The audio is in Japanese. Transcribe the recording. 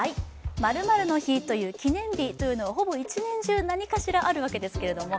○の日という記念日は、ほぼ一年中何かしらあるわけですけれども。